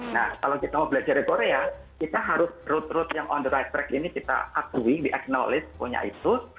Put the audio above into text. nah kalau kita mau belajar dari korea kita harus road road yang on the right track ini kita akui di acknowledge punya itu